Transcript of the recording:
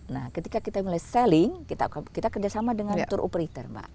nah ketika kita mulai selling kita kerjasama dengan tour operator mbak